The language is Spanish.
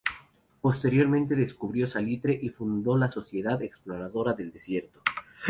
Posteriormente descubrió salitre y fundó la "Sociedad exploradora del Desierto".